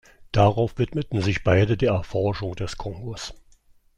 Darauf widmeten sich beide der Erforschung des Kongo.